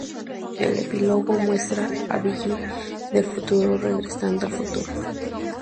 El epílogo muestra a Billy del futuro regresando al futuro.